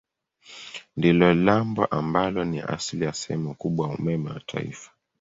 Ndilo lambo ambalo ni asili ya sehemu kubwa ya umeme wa taifa.